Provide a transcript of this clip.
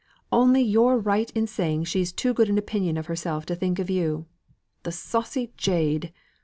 Only you're right in saying she's too good an opinion of herself to think of you! The saucy jade!